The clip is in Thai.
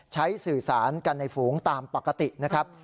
สื่อสารกันในฝูงตามปกตินะครับ